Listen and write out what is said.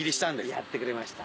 やってくれました。